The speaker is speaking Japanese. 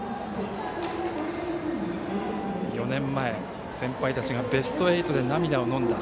４年前、先輩たちがベスト８で涙をのんだ。